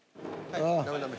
ダメダメ。